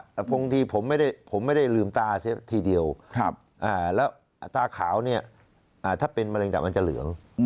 แต่บางทีผมไม่ได้ลืมตาเสียทีเดียวแล้วตาขาวเนี่ยถ้าเป็นมะเร็ดับมันจะเหลือง